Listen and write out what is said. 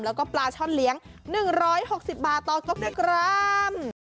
แล้วก็ปลาช่อนเลี้ยง๑๖๐บาทต่อกิโลกรัม